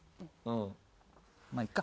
まあいっか。